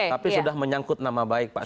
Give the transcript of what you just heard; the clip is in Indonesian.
tapi sudah menyangkut nama baik pak